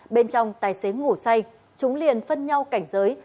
bên trong tài xế ngủ say chúng liền phân nhau cảnh giới